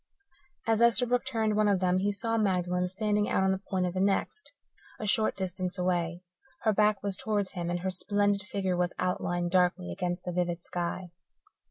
As Esterbrook turned one of them he saw Magdalen standing out on the point of the next, a short distance away. Her back was towards him, and her splendid figure was outlined darkly against the vivid sky.